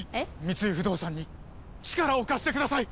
三井不動産に力を貸してください！